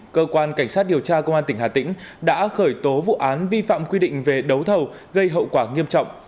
cơ quan cảnh sát điều tra công an tỉnh hà tĩnh đã khởi tố vụ án vi phạm quy định về đấu thầu gây hậu quả nghiêm trọng